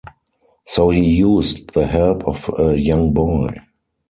So he used the help of a young boy.